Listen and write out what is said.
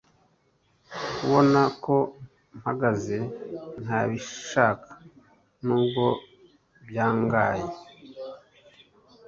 kubona ko mpagaze ntabishaka, nubwo byangaye